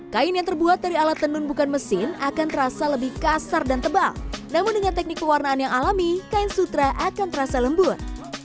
kain yang terbuat dari alat tenun bukan mesin akan terasa lebih kasar dan tebal namun dengan teknik pewarnaan yang alami kain sutra akan terasa lembut